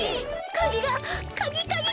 かぎがかぎかぎ！